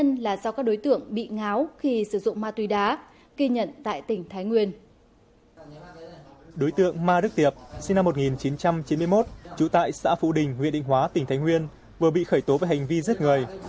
năm một nghìn chín trăm chín mươi một chủ tại xã phụ đình nguyễn định hóa tỉnh thánh nguyên vừa bị khởi tố với hành vi giết người